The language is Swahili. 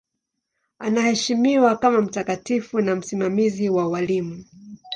Anaheshimiwa kama mtakatifu na msimamizi wa walimu.